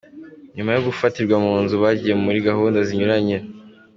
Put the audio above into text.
nyuma yo gufatirwa mu nzira bagiye muri gahunda zinyuranye.